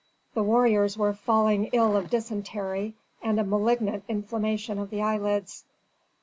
The warriors were falling ill of dysentery and a malignant inflammation of the eyelids.